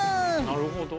なるほど。